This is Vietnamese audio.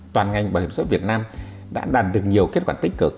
toàn ngành bảo hiểm xã hội việt nam đã đạt được nhiều kết quả tích cực